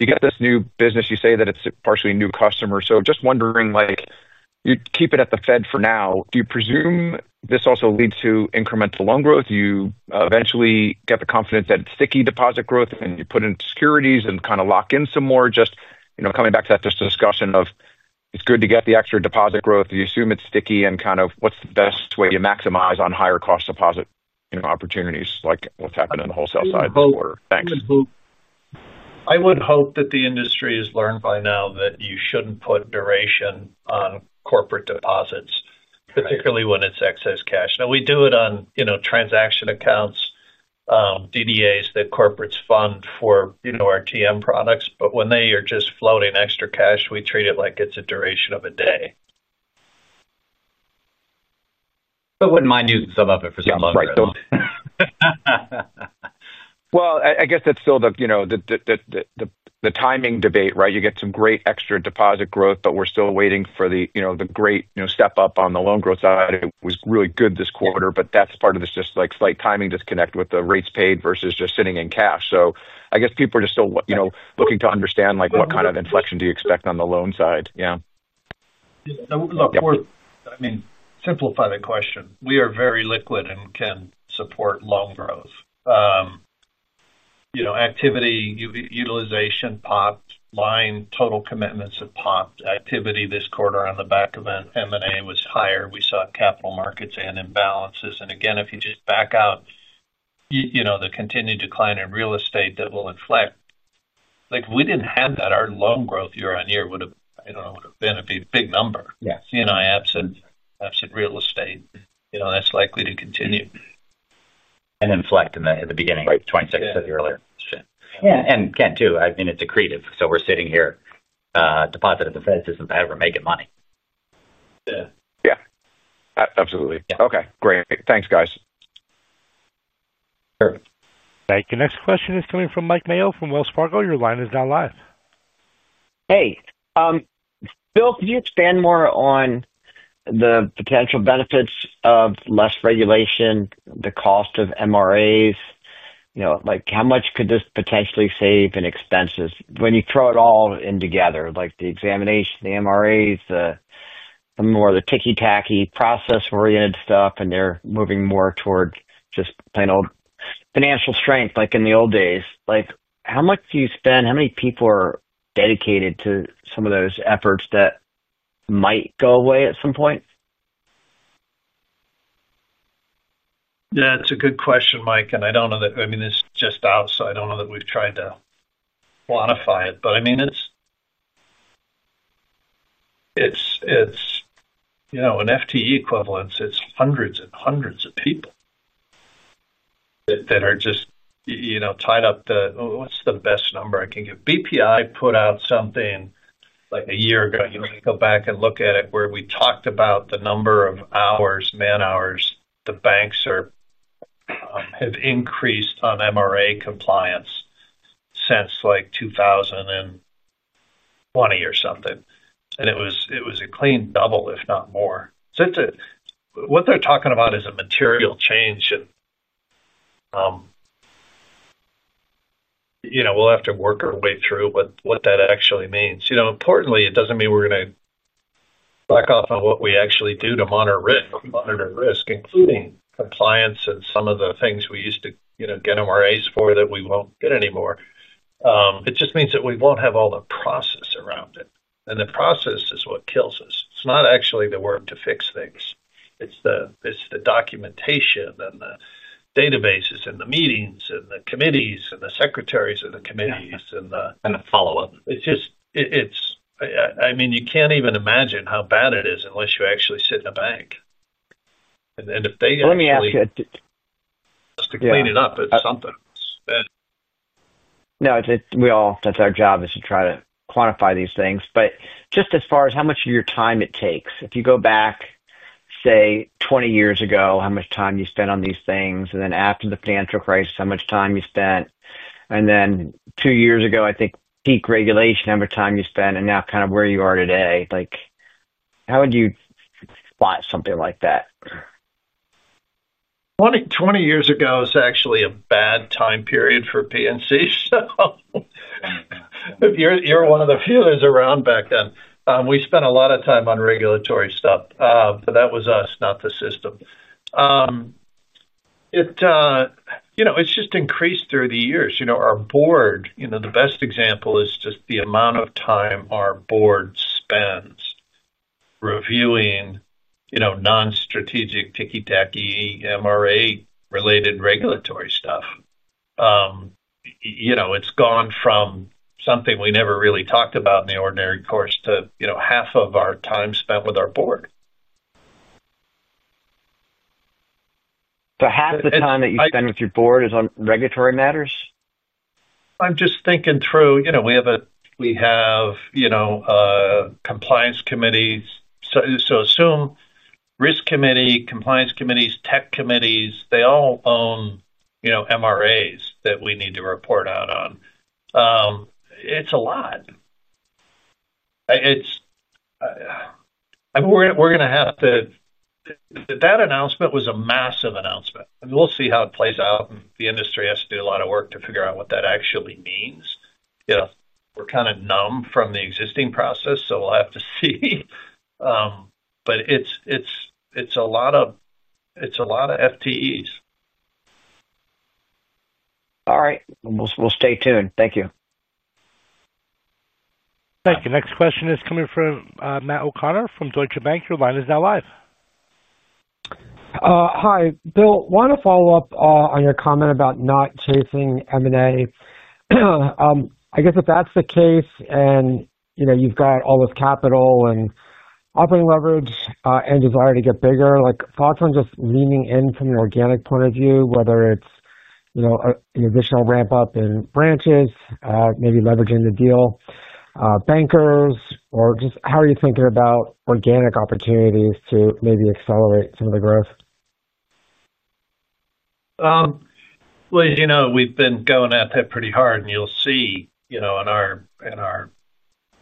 you get this new business. You say that it's partially new customers. Just wondering, you keep it at the Fed for now. Do you presume this also leads to incremental loan growth? Do you eventually get the confidence that it's sticky deposit growth and you put in securities and kind of lock in some more? Just coming back to that discussion of it's good to get the extra deposit growth. Do you assume it's sticky and what's the best way to maximize on higher cost deposit opportunities like what's happened on the wholesale side this quarter? Thanks. I would hope that the industry has learned by now that you shouldn't put duration on corporate deposits, particularly when it's excess cash. We do it on, you know, transaction accounts, DDAs that corporates fund for, you know, our TM products. When they are just floating extra cash, we treat it like it's a duration of a day. I would not mind using some of it for some loan growth. That's still the timing debate, right? You get some great extra deposit growth, but we're still waiting for the great step up on the loan growth side. It was really good this quarter, but that's part of this slight timing disconnect with the rates paid versus just sitting in cash. I guess people are still looking to understand what kind of inflection you expect on the loan side. Yeah. Yeah. Look, we're, I mean, simplify the question. We are very liquid and can support loan growth. You know, activity, utilization popped, line total commitments have popped. Activity this quarter on the back of M&A was higher. We saw capital markets and imbalances. If you just back out, you know, the continued decline in real estate that will inflect, like we didn't have that, our loan growth year on year would have, I don't know, would have been, it'd be a big number. Yeah. CII absent real estate, that's likely to continue. Inflect at the beginning. Right. Like I said earlier. Yeah. It's a creative. We're sitting here, deposit at the Fed doesn't ever make it money. Yeah. Yeah. Absolutely. Yeah. Okay. Great. Thanks, guys. Sure. Thank you. Next question is coming from Mike Mayo from Wells Fargo. Your line is now live. Hey, Bill, can you expand more on the potential benefits of less regulation, the cost of MRAs? You know, like how much could this potentially save in expenses when you throw it all in together, like the examination, the MRAs, the more ticky-tacky process-oriented stuff, and they're moving more toward just plain old financial strength like in the old days? Like how much do you spend? How many people are dedicated to some of those efforts that might go away at some point? Yeah, it's a good question, Mike. I don't know that, I mean, this is just out, so I don't know that we've tried to quantify it. I mean, it's an FTE equivalence. It's hundreds and hundreds of people that are just tied up. What's the best number I can give? BPI put out something like a year ago. You can go back and look at it where we talked about the number of hours, man-hours the banks have increased on MRA compliance since 2020 or something. It was a clean double, if not more. What they're talking about is a material change. We'll have to work our way through what that actually means. Importantly, it doesn't mean we're going to back off on what we actually do to monitor risk, including compliance and some of the things we used to get MRAs for that we won't get anymore. It just means that we won't have all the process around it. The process is what kills us. It's not actually the work to fix things. It's the documentation and the databases and the meetings and the committees and the secretaries of the committees and the. The follow-up. You can't even imagine how bad it is unless you actually sit in a bank. If they ask you just to clean it up, it's something. No, it's, we all, that's our job is to try to quantify these things. Just as far as how much of your time it takes, if you go back, say, 20 years ago, how much time you spent on these things, and then after the financial crisis, how much time you spent, and then two years ago, I think peak regulation, how much time you spent, and now kind of where you are today, like how would you spot something like that? 20 years ago is actually a bad time period for PNC, so you're one of the feelers around back then. We spent a lot of time on regulatory stuff. That was us, not the system. It's just increased through the years. Our board, the best example is just the amount of time our board spends reviewing non-strategic ticky-tacky MRA-related regulatory stuff. It's gone from something we never really talked about in the ordinary course to half of our time spent with our board. You spend half the time with your board on regulatory matters? I'm just thinking through, you know, we have compliance committees. Assume risk committee, compliance committees, tech committees, they all own MRAs that we need to report out on. It's a lot. I mean, we're going to have to, that announcement was a massive announcement. We'll see how it plays out. The industry has to do a lot of work to figure out what that actually means. We're kind of numb from the existing process, so we'll have to see. It's a lot of FTEs. All right. Thank you. We'll stay tuned. Thank you. Next question is coming from Matt O'Connor from Deutsche Bank. Your line is now live. Hi, Bill. Want to follow up on your comment about not chasing M&A. I guess if that's the case and you've got all this capital and operating leverage and desire to get bigger, like thoughts on just leaning in from an organic point of view, whether it's an additional ramp-up in branches, maybe leveraging the deal, bankers, or just how are you thinking about organic opportunities to maybe accelerate some of the growth? As you know, we've been going at that pretty hard. You'll see in our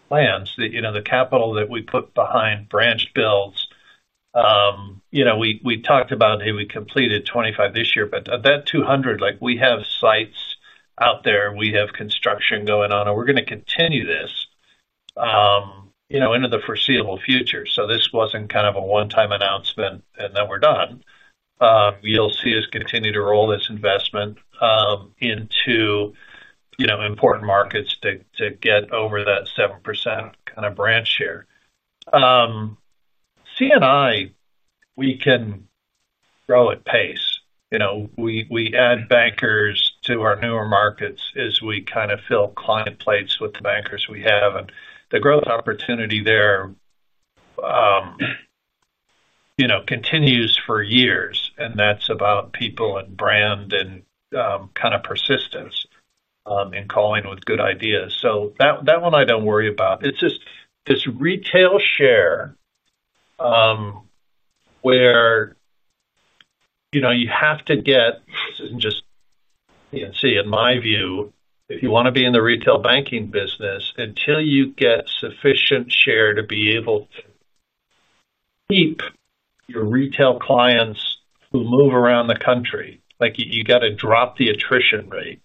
plans that the capital that we put behind branch builds, we talked about, hey, we completed 25 this year, but at that 200, we have sites out there. We have construction going on, and we're going to continue this into the foreseeable future. This wasn't a one-time announcement and then we're done. You'll see us continue to roll this investment into important markets to get over that 7% branch share. C&I, we can grow at pace. We add bankers to our newer markets as we fill client plates with the bankers we have, and the growth opportunity there continues for years. That's about people and brand and persistence, and calling with good ideas. That one I don't worry about. It's just this retail share, where you have to get, this isn't just PNC, in my view, if you want to be in the retail banking business, until you get sufficient share to be able to keep your retail clients who move around the country, you have to drop the attrition rate.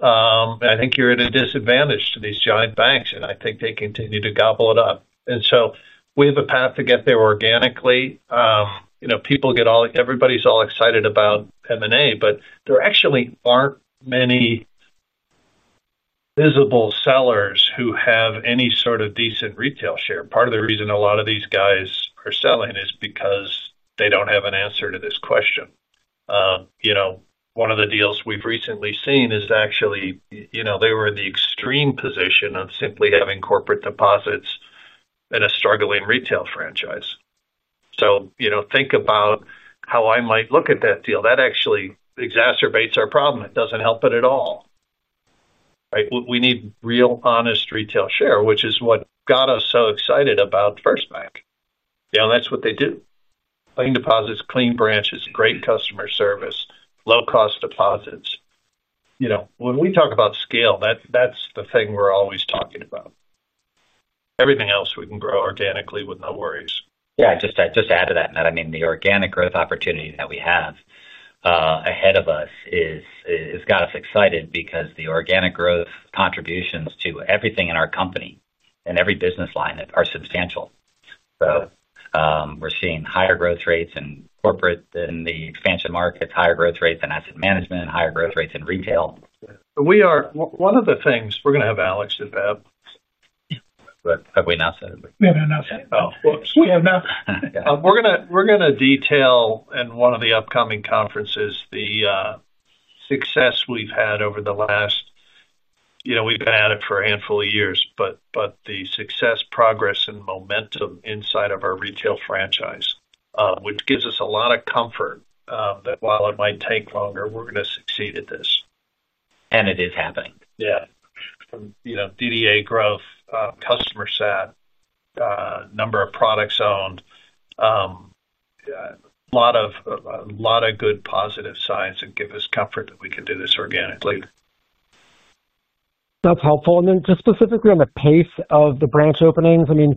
I think you're at a disadvantage to these giant banks. I think they continue to gobble it up. We have a path to get there organically. People get all excited about M&A, but there actually aren't many visible sellers who have any sort of decent retail share. Part of the reason a lot of these guys are selling is because they don't have an answer to this question. One of the deals we've recently seen is actually, they were in the extreme position of simply having corporate deposits in a struggling retail franchise. Think about how I might look at that deal. That actually exacerbates our problem. It doesn't help it at all. We need real, honest retail share, which is what got us so excited about FirstBank. That's what they do. Clean deposits, clean branches, great customer service, low-cost deposits. When we talk about scale, that's the thing we're always talking about. Everything else we can grow organically with no worries. Just to add to that, the organic growth opportunity that we have ahead of us has got us excited because the organic growth contributions to everything in our company and every business line are substantial. We're seeing higher growth rates in corporate than the expansion markets, higher growth rates in asset management, and higher growth rates in retail. Yeah. One of the things we're going to have Alex do, Rob. Have we not said it? No, no, no. We have not. We're going to detail in one of the upcoming conferences the success we've had over the last, you know, we've been at it for a handful of years, but the success, progress, and momentum inside of our retail franchise, which gives us a lot of comfort that while it might take longer, we're going to succeed at this. It is happening. Yeah. From DDA growth, customer set, number of products owned, a lot of good positive signs that give us comfort that we can do this organically. That's helpful. Just specifically on the pace of the branch openings, do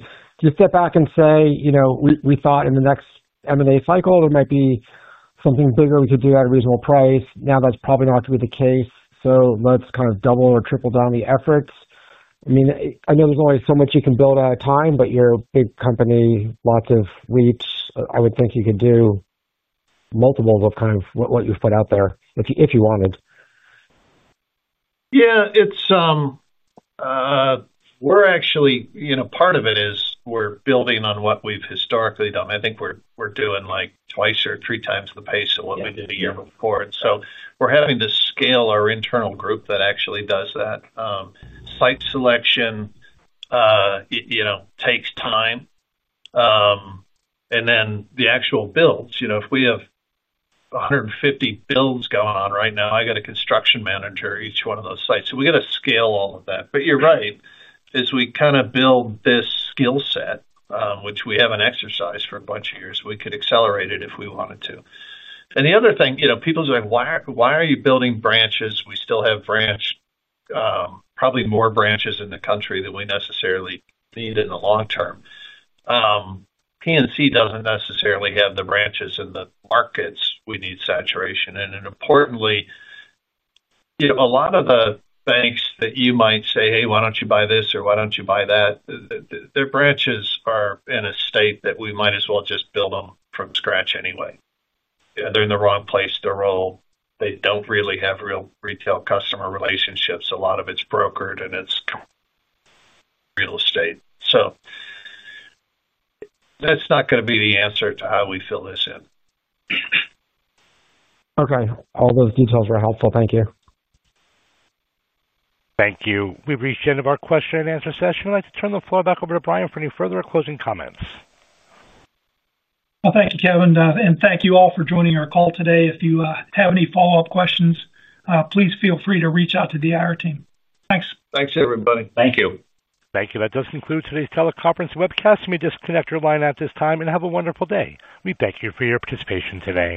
you step back and say, you know, we thought in the next M&A cycle there might be something bigger we could do at a reasonable price. Now that's probably not going to be the case. Let's kind of double or triple down the efforts. I know there's only so much you can build at a time, but you're a big company, lots of reach. I would think you could do multiples of kind of what you put out there if you wanted. Yeah, we're actually, you know, part of it is we're building on what we've historically done. I think we're doing like twice or three times the pace of what we did a year before, and we're having to scale our internal group that actually does that. Site selection takes time, and then the actual builds, you know, if we have 150 builds going on right now, I got a construction manager at each one of those sites. We got to scale all of that. You're right. As we kind of build this skill set, which we haven't exercised for a bunch of years, we could accelerate it if we wanted to. The other thing, you know, people are like, "Why are you building branches? We still have probably more branches in the country than we necessarily need in the long term." PNC doesn't necessarily have the branches in the markets we need saturation. Importantly, a lot of the banks that you might say, "Hey, why don't you buy this?" or, "Why don't you buy that?" their branches are in a state that we might as well just build them from scratch anyway. They're in the wrong place to roll. They don't really have real retail customer relationships. A lot of it's brokered and it's real estate. That's not going to be the answer to how we fill this in. Okay, all those details are helpful. Thank you. Thank you. We reached the end of our question and answer session. I'd like to turn the floor back over to Bryan for any further or closing comments. Thank you, Kevin. Thank you all for joining our call today. If you have any follow-up questions, please feel free to reach out to the IR team. Thanks. Thanks, everybody. Thank you. Thank you. That does conclude today's teleconference webcast. You may disconnect your line at this time and have a wonderful day. We thank you for your participation today.